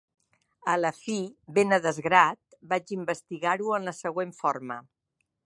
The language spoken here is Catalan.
A la fi, ben a desgrat, vaig investigar-ho en la següent forma: